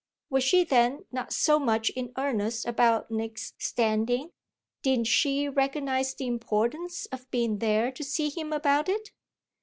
Was she then not so much in earnest about Nick's standing? Didn't she recognise the importance of being there to see him about it?